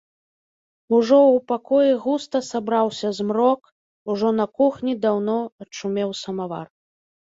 Ужо ў пакоі густа сабраўся змрок, ужо на кухні даўно адшумеў самавар.